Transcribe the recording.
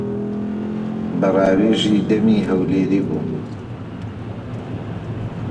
بە ڕاوێژی دەمی هەولێری بوو.